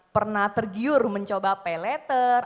pernah tergiur mencoba pay letter